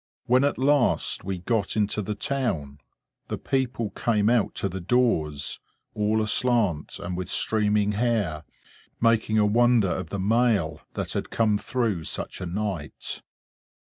When at last we got into the town, the people came out to the doors, all aslant, and with streaming hair, making a wonder of the mail that had come through such a night.